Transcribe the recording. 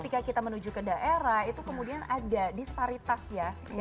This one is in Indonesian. jika kita menuju ke daerah itu kemudian ada disparitas yang terlihat sangat nyata